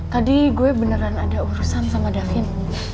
tadi gue beneran ada urusan sama david